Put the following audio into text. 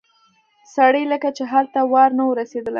د سړي لکه چې هلته وار نه و رسېدلی.